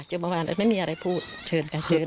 จนเมื่อวานไม่มีอะไรพูดเชิญกันเชิญ